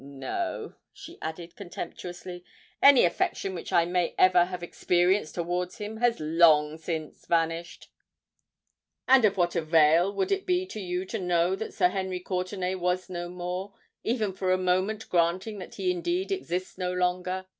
No," she added contemptuously: "any affection which I may ever have experienced towards him, has long since vanished." "And of what avail would it be to you to know that Sir Henry Courtenay was no more, even for a moment granting that he indeed exists no longer?"